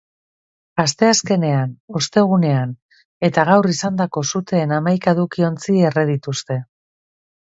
Asteazkenean, ostegunean eta gaur izandako suteetan hamaika edukiontzi erre dituzte.